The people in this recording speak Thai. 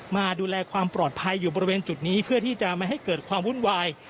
มาดูแลความปลอดภัยอยู่บริเวณจุดนี้เพื่อที่จะไม่ให้เกิดความวุ่นวาย